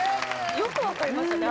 よくわかりましたね。